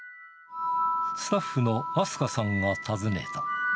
スタッフの明日香さんが尋ねた。